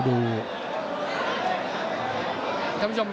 โอ้โหโอ้โหโอ้โห